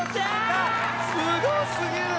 いやすごすぎる。